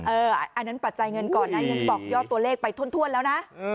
อันนั้นปัจจัยเงินก่อนนะยังบอกยอดตัวเลขไปถ้วนแล้วนะ